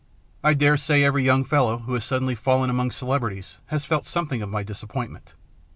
I dare say every young fellow who has suddenly fallen among celebrities has felt something of my dis appointment.